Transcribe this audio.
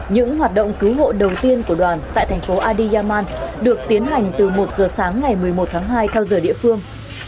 những hoạt động cứu hộ đầu tiên của đoàn tại thành phố adi yaman được tiến hành từ một giờ sáng ngày một mươi một tháng hai theo giờ địa phương